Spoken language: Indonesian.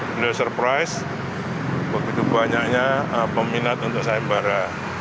banyak surprise begitu banyaknya peminat untuk saya mbah ra